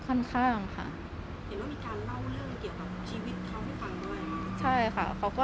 เห็นว่ามีการเล่าเรื่องเกี่ยวกับชีวิตเขาให้ฟังบ้าง